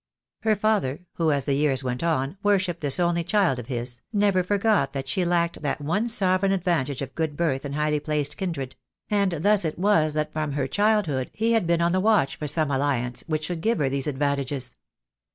Her father, who as the years went on, worshipped this only child of his, never forgot that she lacked that one sovereign advantage of good birth and highly placed kindred; and thus it was that from her childhood he had been on the watch for some alliance which should give her these ad vantages.